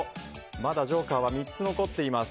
まだジョーカーは３つ残っています。